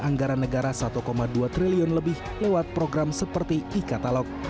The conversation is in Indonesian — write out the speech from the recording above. anggaran negara satu dua triliun lebih lewat program seperti e katalog